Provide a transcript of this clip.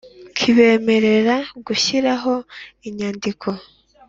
Kibemerera gushyiraho inyandiko